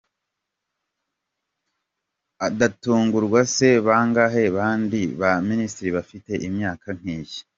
Adatungurwa se bangahe bandi ba Minister bafite imyaka nk'iye?.